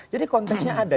jadi konteksnya ada